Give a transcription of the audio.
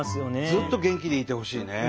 ずっと元気でいてほしいね。